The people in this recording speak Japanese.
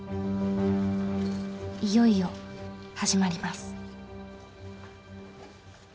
いよいよ始まります。